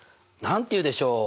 何と言うでしょう？